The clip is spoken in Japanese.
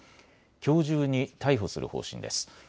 きょう中に逮捕する方針です。